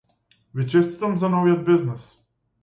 Ви честитам за новиот бизнис.